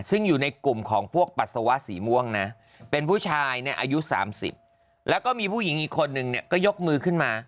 ซึ่งอยู่ในกลุ่มของพวกปัสสาวะสีม่วงนะเป็นผู้ชายเนี่ยอายุ๓๐แล้วก็มีผู้หญิงอีกคนนึงเนี่ยก็ยกมือขึ้นมา